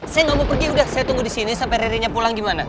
saya gak mau pergi udah saya tunggu disini sampai ririnya pulang gimana